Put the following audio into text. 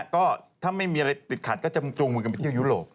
ก็ถ้าไม่มีอะไรติดขัดก็จะจูงมือกันไปเที่ยวยุโรป